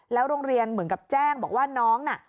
โรงเรียนเหมือนกับแจ้งบอกว่าน้องน่ะ